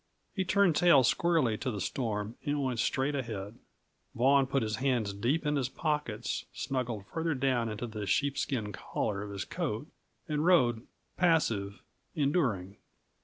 He turned tail squarely to the storm and went straight ahead. Vaughan put his hands deep into his pockets, snuggled farther down into the sheepskin collar of his coat, and rode passive, enduring.